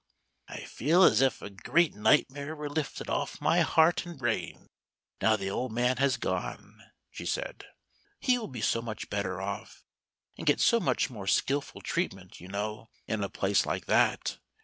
"I feel as if a great nightmare were lifted off my heart and brain, now the old man has gone," she said. "He will be so much better off, and get so much more skillful treatment, you know, in a place like that.